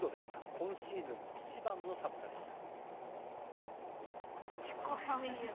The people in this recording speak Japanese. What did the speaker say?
今シーズン一番の寒さでした。